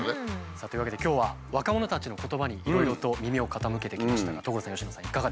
さあというわけで今日は若者たちの言葉にいろいろと耳を傾けてきましたが所さん佳乃さんいかがでしたか？